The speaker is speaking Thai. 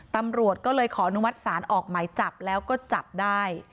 ตำรวจก็เลยขออนุมัติศาลออกหมายจับแล้วก็จับได้